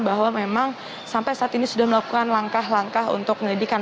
bahwa memang sampai saat ini sudah melakukan langkah langkah untuk penyelidikan